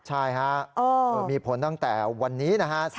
ใช่ฮะมีผลตั้งแต่วันนี้นะฮะ